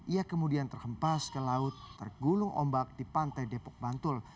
ia kemudian terhempas ke laut tergulung ombak di pantai depok bantul